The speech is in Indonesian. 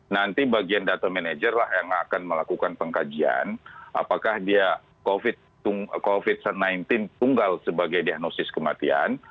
nanti bagian data manajer lah yang akan melakukan pengkajian apakah dia covid sembilan belas tunggal sebagai diagnosis kematian